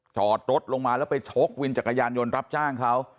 จอดรถลงมาแล้วไปชกวินจักรยานยนต์รับจ้างเขา